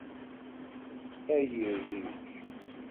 A irij.